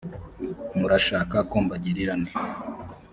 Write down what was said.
murashaka ko mbagirira nte